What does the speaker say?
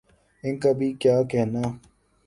ان کا بھی کیا کہنا۔